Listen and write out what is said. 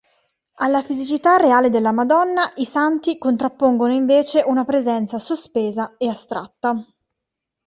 Alla fisicità reale della Madonna, i santi contrappongono invece una presenza sospesa e astratta.